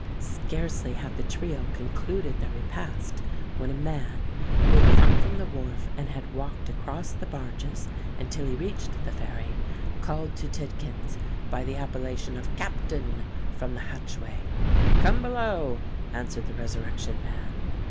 Scarcely had the trio concluded their repast, when a man, who had come from the wharf and had walked across the barges until he reached the Fairy, called to Tidkins, by the appellation of "Captain," from the hatchway. "Come below," answered the Resurrection Man.